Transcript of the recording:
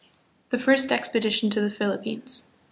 The First Expedition to the Philippines.